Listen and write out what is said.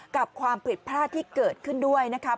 กับความผิดพลาดที่เกิดขึ้นด้วยนะครับ